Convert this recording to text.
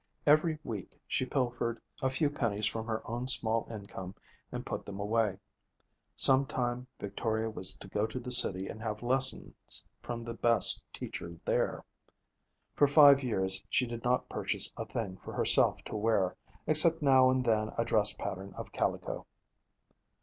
Every week she pilfered a few pennies from her own small income and put them away. Some time Victoria was to go to the city and have lessons from the best teacher there. For five years she did not purchase a thing for herself to wear, except now and then a dress pattern of calico.